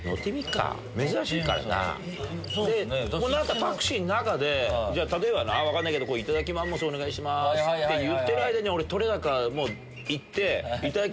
タクシーの中で例えば分かんないけど「頂きまんもすお願いします」って言ってる間に撮れ高行って頂き